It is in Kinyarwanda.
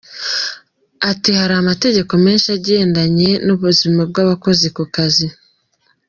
Ati″Hari amategeko menshi agendanye n’ubuzima bw’abakozi ku kazi.